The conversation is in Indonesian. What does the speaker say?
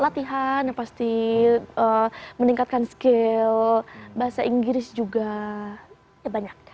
latihan yang pasti meningkatkan skill bahasa inggris juga ya banyak